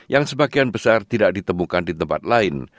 yang sebagian besar tidak ditemukan di tempat lain